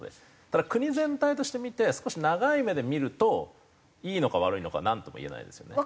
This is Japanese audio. ただ国全体として見て少し長い目で見るといいのか悪いのかなんとも言えないですよね。